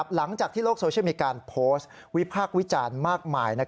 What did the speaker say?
หลังจากที่โลกโซเชียลมีการโพสต์วิพากษ์วิจารณ์มากมาย